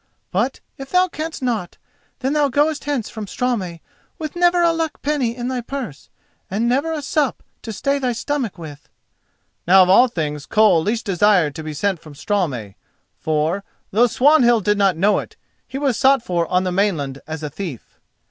But, if thou canst not, then thou goest hence from Straumey with never a luck penny in thy purse, and never a sup to stay thy stomach with." Now of all things Koll least desired to be sent from Straumey; for, though Swanhild did not know it, he was sought for on the mainland as a thief.